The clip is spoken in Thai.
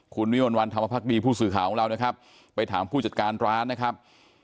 คุณวิมลวันธรรมภักดีผู้สื่อข่าวของเรานะครับไปถามผู้จัดการร้านนะครับ